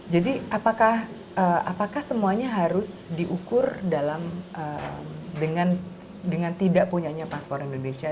jadi apakah semuanya harus diukur dengan tidak punya paspor indonesia